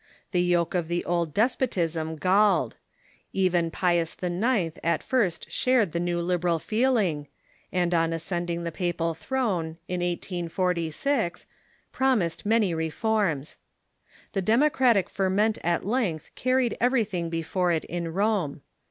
The yoke of the old despotisms galled. Even Pius IX. at first shared the new liberal feeling, and on ascending the papal throne, in 1846, promised many reforms. The demo cratic ferment at length carried everything before it in Rome.